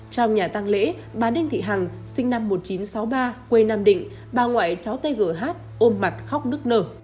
trong nhà tăng lễ bà đinh thị hằng sinh năm một nghìn chín trăm sáu mươi ba quê nam định bà ngoại cháu tê gỡ hát ôm mặt khóc nức nở